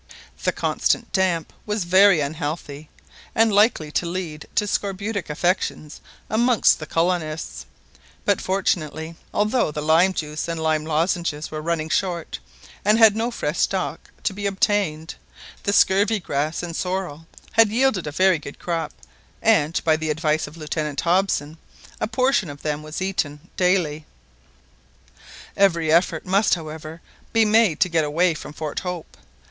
The constant damp was very unhealthy, and likely to lead to scorbutic affections amongst the colonists, but fortunately, although the lime juice and lime lozenges were running short, and no fresh stock had been obtained, the scurvy grass and sorrel had yielded a very good crop, and, by the advice of Lieutenant Hobson, a portion of them was eaten daily. Every effort must, however, be made to get away from Fort Hope.